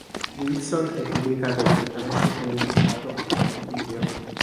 Wilson e pubblicato direttamente per il mercato home video.